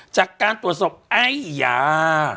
จากการตรวจศพไอ้ยา